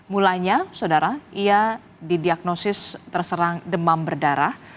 mulanya saudara ia didiagnosis terserang demam berdarah